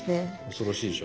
恐ろしいでしょ。